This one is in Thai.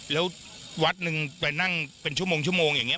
แล้ววัดหนึ่งไปนั่งเป็นชั่วโมงอย่างนี้